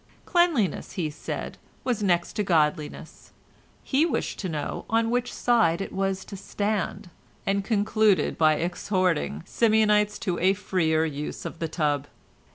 Cleanliness, he said, was next to godliness; he wished to know on which side it was to stand, and concluded by exhorting Simeonites to a freer use of the tub.